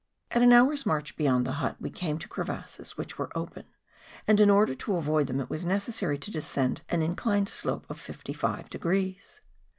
At an hour's march beyond the hut we came to crevasses which were open; and in order to avoid them it was necessary to descend an inclined slope of fifty degrees.